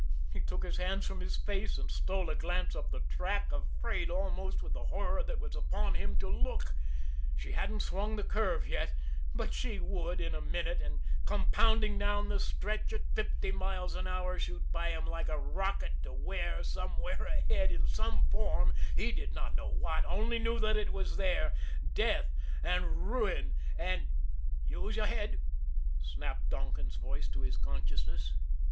He took his hands from his face, and stole a glance up the track, afraid almost, with the horror that was upon him, to look. She hadn't swung the curve yet, but she would in a minute and come pounding down the stretch at fifty miles an hour, shoot by him like a rocket to where, somewhere ahead, in some form, he did not know what, only knew that it was there, death and ruin and "Use your head!" snapped Donkin's voice to his consciousness.